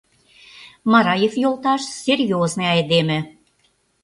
— Мараев йолташ серьёзный айдеме...